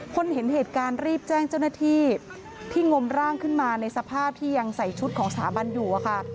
คนเห็นเหตุการณ์รีบแจ้งเจ้าหน้าที่ที่งมร่างขึ้นมาในสภาพที่ยังใส่ชุดของสถาบันอยู่อะค่ะ